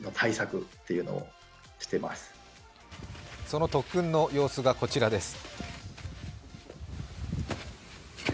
その特訓の様子がこちらです。